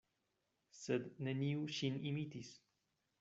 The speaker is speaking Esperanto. Sed neniu ŝin imitis.